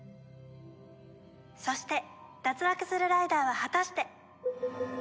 そして脱落するライダーは果たして。